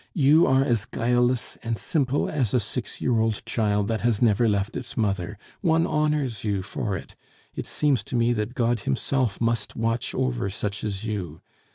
You are as guileless and simple as a six year old child that has never left its mother; one honors you for it it seems to me that God Himself must watch over such as you.